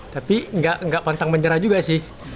tapi nggak pantang menyerah juga sih